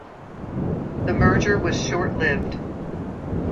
The merger was short-lived.